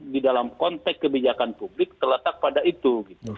di dalam konteks kebijakan publik terletak pada itu